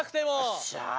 よっしゃ！